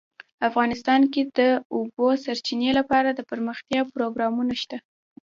افغانستان کې د د اوبو سرچینې لپاره دپرمختیا پروګرامونه شته.